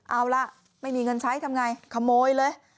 เอาล่ะไม่มีเงินใช้ทำไงขโมยเลย